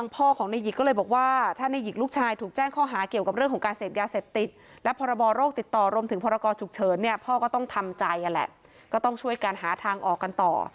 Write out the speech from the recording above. พ่อก็ต้องทำใจนั่นแหละก็ต้องช่วยการหาทางออกกันต่อ